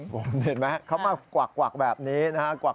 ผมเห็นไหมเขามากวักแบบนี้นะครับ